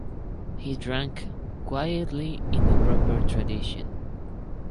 He drank — quietly and in the proper tradition.